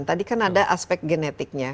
tadi kan ada aspek genetiknya